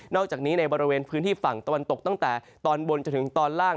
อกจากนี้ในบริเวณพื้นที่ฝั่งตะวันตกตั้งแต่ตอนบนจนถึงตอนล่าง